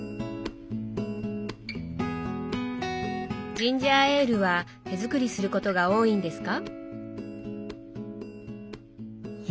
ジンジャーエールは手作りすることが多いんですか？